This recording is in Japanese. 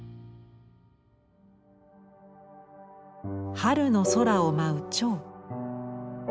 春の空を舞う蝶。